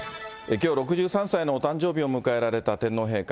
きょう、６３歳のお誕生日を迎えられた天皇陛下。